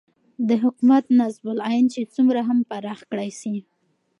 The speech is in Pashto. دحكومت نصب العين چې څومره هم پراخ كړى سي